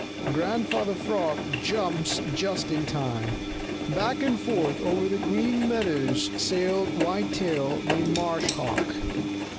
V GRANDFATHER FROG JUMPS JUST IN TIME Back and forth over the Green Meadows sailed Whitetail the Marsh Hawk.